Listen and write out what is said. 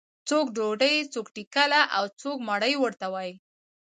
څوک ډوډۍ، څوک ټکله او څوک مړۍ ورته وایي.